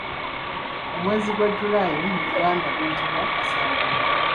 Omwezi gwa July mu luganda guyitibwa Kasambula.